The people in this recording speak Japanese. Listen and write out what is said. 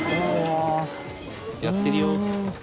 「“やってるよ”」